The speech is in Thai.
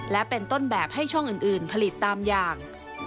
และเป็นต้นแบบให้ช่องอื่นผลิตตามอย่าง